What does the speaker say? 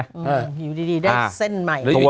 อ่าอางงงอยู่ดีได้เส้นใหม่